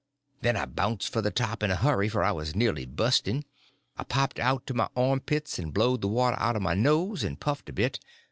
Then I bounced for the top in a hurry, for I was nearly busting. I popped out to my armpits and blowed the water out of my nose, and puffed a bit.